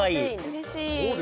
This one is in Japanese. うれしい。